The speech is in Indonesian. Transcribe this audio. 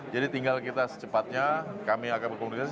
jadi tinggal kita secepatnya kami akan berkomunikasi